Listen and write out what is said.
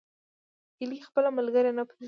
هیلۍ خپل ملګري نه پرېږدي